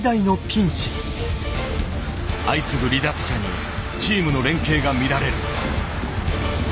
相次ぐ離脱者にチームの連携が乱れる。